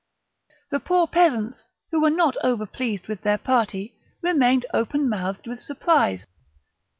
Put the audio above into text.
The poor peasants, who were not over pleased with their party, remained open mouthed with surprise.